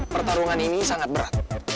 pertarungan ini sangat berat